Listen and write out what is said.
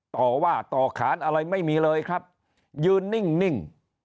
ต่อว่าต่อขานอะไรไม่มีเลยครับยืนนิ่ง